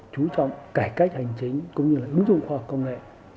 chú trọng cải cách hành chính cũng như là ứng dụng khoa học công nghệ